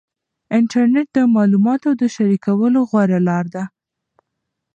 انټرنیټ د معلوماتو د شریکولو غوره لار ده.